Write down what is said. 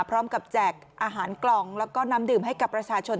แจกอาหารกล่องแล้วก็น้ำดื่มให้กับประชาชน